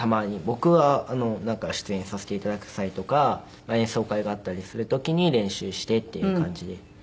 僕は出演させて頂く際とか演奏会があったりする時に練習してっていう感じで。